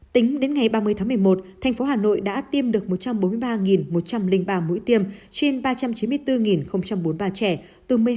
tính đến ngày ba mươi tháng một mươi một thành phố hà nội đã tiêm được một trăm bốn mươi ba một trăm linh ba mũi tiêm trên ba trăm chín mươi bốn bốn mươi ba trẻ